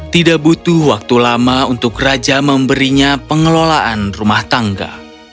tidak butuh waktu lama untuk raja memberinya pengelolaan rumah tangga